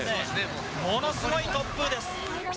ものすごい突風です。